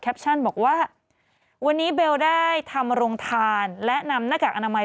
บอกว่าวันนี้เบลได้ทำโรงทานและนำหน้ากากอนามัย